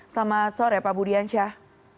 selamat sore pak budiansyah